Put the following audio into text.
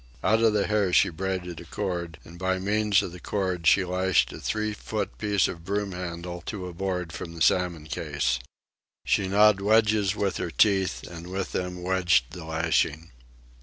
Out of the hair she braided a cord; and by means of the cord she lashed a three foot piece of broom handle to a board from the salmon case. She gnawed wedges with her teeth and with them wedged the lashing.